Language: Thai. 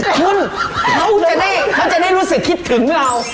คุณเขาจะได้ลูกจะได้รู้สึกคิดถึงเรา